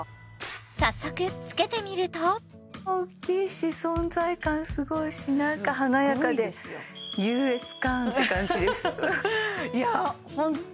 早速着けてみると大きいし存在感すごいしなんか華やかで優越感って感じですうわ